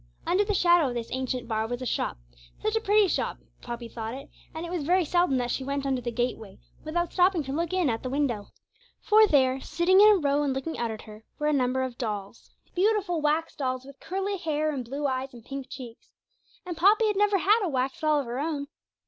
Under the shadow of this ancient Bar was a shop such a pretty shop Poppy thought it, and it was very seldom that she went under the gateway without stopping to look in at the window. For there, sitting in a row, and looking out at her, were a number of dolls beautiful wax dolls with curly hair and blue eyes and pink cheeks. And Poppy had never had a wax doll of her own.